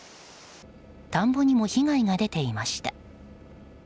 田んぼにも被害が出ていました。